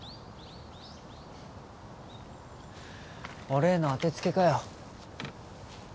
俺への当てつけかよ